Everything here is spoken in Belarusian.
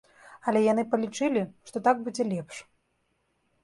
Але яны палічылі, што так будзе лепш.